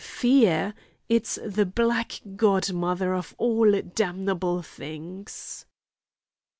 Fear! It's the black godmother of all damnable things!"